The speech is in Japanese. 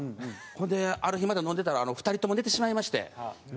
それである日また飲んでたら２人とも寝てしまいまして。